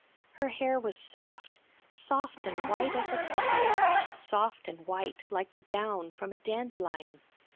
Her hair was soft, soft and white as a puppy's, soft and white like the down from a dandelion.